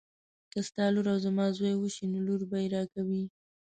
که ستا لور او زما زوی وشي نو لور به یې راکوي.